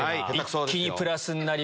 一気にプラスになりました。